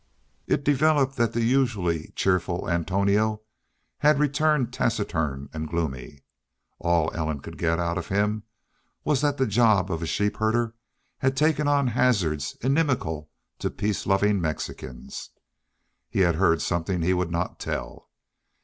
It developed that the usually cheerful Antonio had returned taciturn and gloomy. All Ellen could get out of him was that the job of sheep herder had taken on hazards inimical to peace loving Mexicans. He had heard something he would not tell.